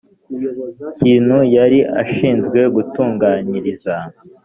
kintu yari ashinzwe gutunganyiriza